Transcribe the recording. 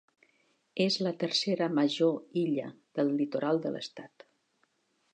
És la tercera major illa del litoral de l'estat.